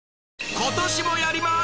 今年もやります！